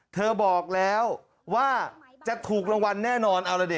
เธอบอกแล้วว่าจะถูกรางวัลแน่นอนเอาละดิ